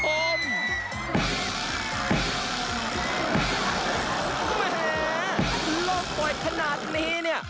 แม่โลกปล่อยขนาดนี้